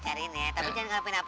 biar lo ada kerjaan berdua ya